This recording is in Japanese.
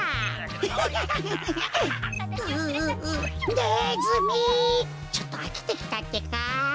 「ネズミ」ちょっとあきてきたってか。